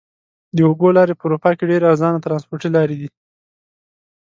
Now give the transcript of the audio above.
د اوبو لارې په اروپا کې ډېرې ارزانه ترانسپورتي لارې دي.